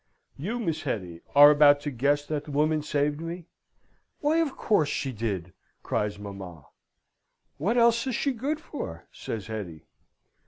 You, Miss Hetty, are about to guess that the woman saved me?" "Why, of course she did!" cries mamma. "What else is she good for?" says Hetty.